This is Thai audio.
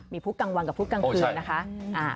มีพุธกลางวันกับพุธกลางคืนนะคะ